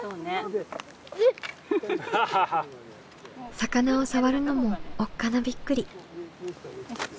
魚を触るのもおっかなびっくり。